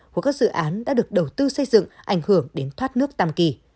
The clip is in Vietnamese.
của các dự án đã được đầu tư xây dựng ảnh hưởng đến thoát nước tam kỳ